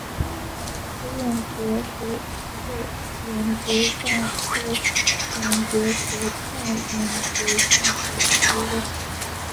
紫眼蝶属是眼蝶亚科眼蝶族黛眼蝶亚族中的一个属。